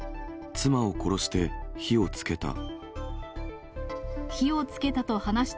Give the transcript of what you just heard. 妻を殺して、火をつけた。